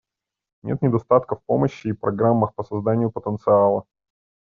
Нет недостатка в помощи и программах по созданию потенциала.